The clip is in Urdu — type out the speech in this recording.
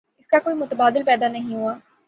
اس کا کوئی متبادل پیدا نہیں ہوا۔